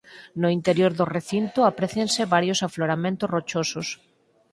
No interior do recinto aprécianse varios afloramentos rochosos.